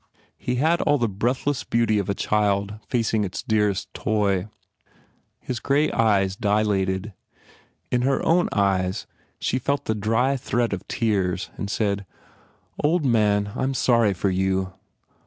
He had all the breathless beauty of a child facing its dearest toy. His grey eyes dilated. In her own eyes she felt the dry threat of tears and said, "Old man, I m sorry for you."